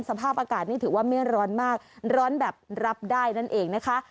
สภาพอากาศนี่ถือว่าไม่ร้อนมากร้อนแบบรับได้นั่นเองนะคะ